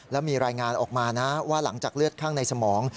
แล้วมีรายงานออกมานะว่าหลังจากเลือดข้างในสมอง